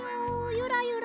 ゆらゆら。